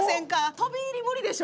飛び入り無理でしょ。